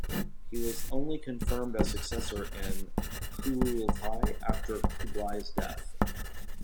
He was only confirmed as successor in a "kurultai" held after Kublai's death.